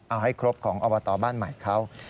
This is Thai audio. เอาให้ครบของอบตบ้านใหม่เขา